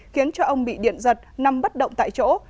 khiến cho ông bị điện giật nằm bất động tại chỗ